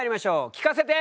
聞かせて！